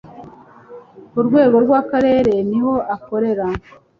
ku rwego rw'akarere niho akorera